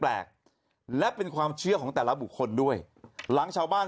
แปลกและเป็นความเชื่อของแต่ละบุคคลด้วยหลังชาวบ้าน